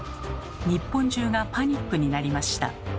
日本中がパニックになりました。